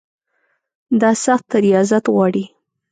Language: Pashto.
دا سخت ریاضت غواړي.